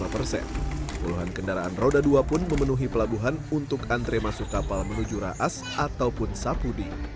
puluhan kendaraan roda dua pun memenuhi pelabuhan untuk antre masuk kapal menuju raas ataupun sapudi